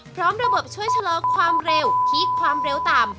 พร้อมระบบช่วยชะลอความเร็วคิดความเร็วต่ำ